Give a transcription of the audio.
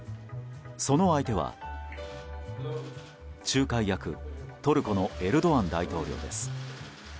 その相手は仲介役トルコのエルドアン大統領です。